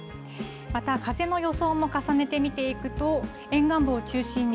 また、風の予想も重ねて見ていくと沿岸部を中心に